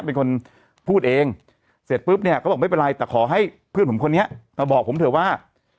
เป็นคนพูดเองเสร็จปุ๊บเนี่ยเขาบอกไม่เป็นไรแต่ขอให้เพื่อนผมคนนี้มาบอกผมเถอะว่า